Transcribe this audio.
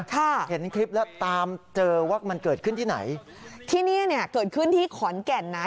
ค่ะเห็นคลิปแล้วตามเจอว่ามันเกิดขึ้นที่ไหนที่เนี้ยเนี้ยเกิดขึ้นที่ขอนแก่นนะ